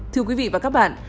thưa quý vị và các bạn